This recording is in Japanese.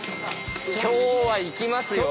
今日はいきますよ